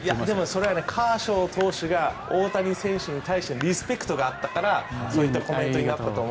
それはカーショー投手が大谷選手に対してのリスペクトがあったからこういったコメントになったと。